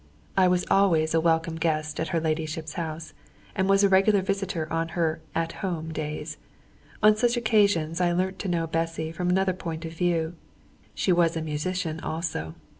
I was always a welcome guest at her ladyship's house, and was a regular visitor on her "at home" days. On such occasions I learnt to know Bessy from another point of view. She was a musician also.